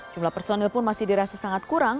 jumlah personil pun masih dirasa sangat kurang